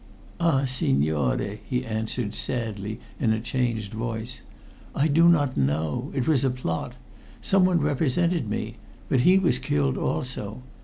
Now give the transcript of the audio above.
"Ah, signore!" he answered sadly in a changed voice, "I do not know. It was a plot. Someone represented me but he was killed also.